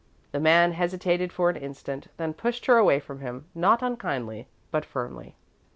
The man hesitated for an instant, then pushed her away from him; not unkindly, but firmly.